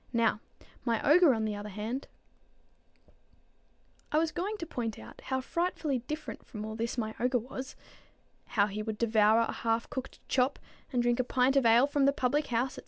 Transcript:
Now my ogre, on the other hand" I was going on to point out how frightfully different from all this my ogre was, how he would devour a half cooked chop, and drink a pint of ale from the public house, &c.